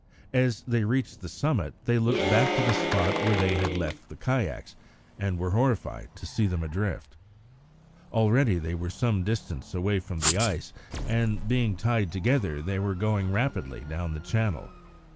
As they reached the summit they looked back to the spot where they had left the kayaks, and were horrified to see them adrift. Already they were some distance away from the ice, and, being tied together, they were going rapidly down the channel.